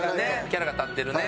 キャラが立ってるね。